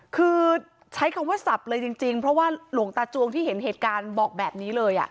คือใช้คำว่าสับเลยจริงเพราะว่าหลวงตาจวงที่เห็นเหตุการณ์บอกแบบนี้เลย